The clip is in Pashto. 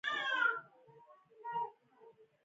مالکانو د غلامانو د هڅونې لپاره املاک وویشل.